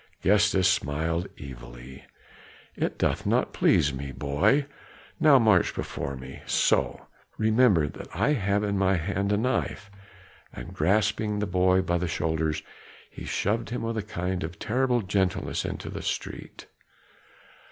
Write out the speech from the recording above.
Gestas smiled evilly. "It doth not please me, boy. Now march before me so. Remember that I have in my hand a knife." And grasping the boy by the shoulders, he shoved him with a kind of terrible gentleness into the street.